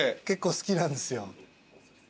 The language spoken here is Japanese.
結構好きなんですよ。